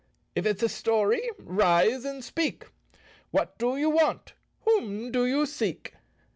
" If it's a story, rise and speak. What do you want? Whom do you seek?